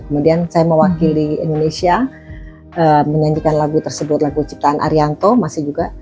kemudian saya mewakili indonesia menyanyikan lagu tersebut lagu ciptaan arianto masih juga